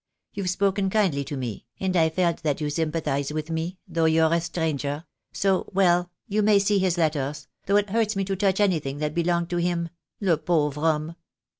You've spoken kindly to me, and I've felt that you sympathize with me, though you're a stranger — so — well — you may see his letters, though it hurts me to touch anything that belonged to him, le pauvre homme."